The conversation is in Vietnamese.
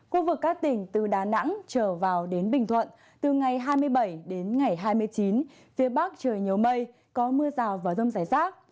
khu vực các tỉnh từ đà nẵng trở vào đến bình thuận từ ngày hai mươi bảy đến ngày hai mươi chín phía bắc trời nhiều mây có mưa rào và rông rải rác